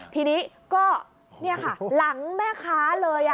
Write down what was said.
ทีนี้ก็นี่ค่ะหลังแม่ค้าเลย